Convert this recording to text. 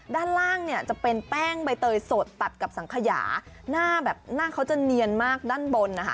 ด้านล่างจะเป็นแป้งใบเตยสดตัดกับสังขยาหน้าเขาจะเนียนมากด้านบน